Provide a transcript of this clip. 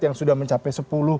yang sudah mencapai suku bunga